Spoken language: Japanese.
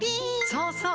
そうそう！